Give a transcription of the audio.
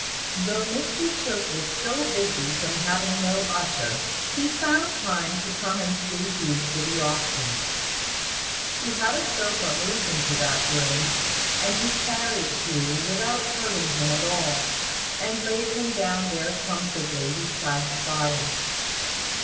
Though Mr Tooke was so busy from having no usher, he found time to come and see Hugh pretty often. He had a sofa moved into that room: and he carried Hugh, without hurting him at all, and laid him down there comfortably, beside the fire.